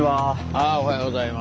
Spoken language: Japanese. ああおはようございます。